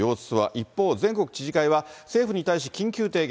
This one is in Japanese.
一方、全国知事会は、政府に対し、緊急提言。